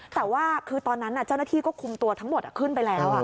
แต่ว่าคือตอนนั้นเจ้าหน้าที่ก็คุมตัวทั้งหมดขึ้นไปแล้ว